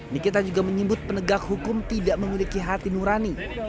nikita juga menyebut penegak hukum tidak memiliki hati nurani